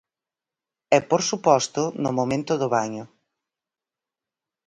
E, por suposto, no momento do baño.